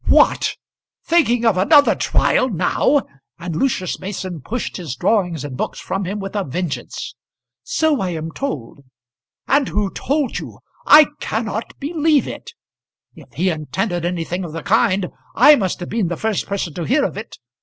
"What! thinking of another trial now?" and Lucius Mason pushed his drawings and books from him with a vengeance. "So I am told." "And who told you? I cannot believe it, If he intended anything of the kind I must have been the first person to hear of it.